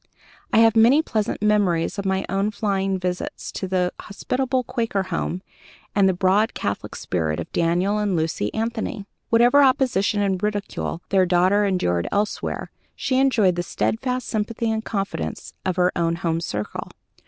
I have many pleasant memories of my own flying visits to that hospitable Quaker home and the broad catholic spirit of Daniel and Lucy Anthony. Whatever opposition and ridicule their daughter endured elsewhere, she enjoyed the steadfast sympathy and confidence of her own home circle.